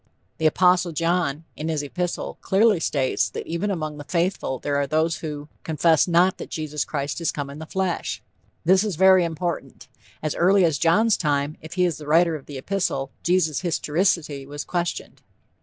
The Apostle John, in his epistle, clearly states that even among the faithful there were those who confess not that Jesus Christ is come in the flesh. This is very important. As early as John's time, if he is the writer of the epistle, Jesus' historicity was questioned.